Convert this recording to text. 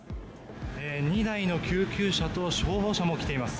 ２台の救急車と消防車も来ています。